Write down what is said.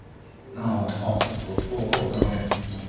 あちょっとどうですかね。